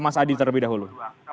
mas adi terlebih dahulu